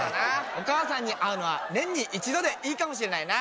おかあさんにあうのはねんに１どでいいかもしれないな。